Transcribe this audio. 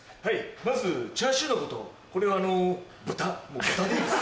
まずチャーシューのことこれは豚もう豚でいいです。